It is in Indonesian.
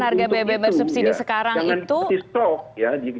harga beban subsidi sekarang itu